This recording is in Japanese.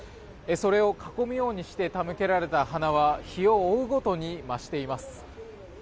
それを囲むようにして手向けられた花は日を追うごとに増しています。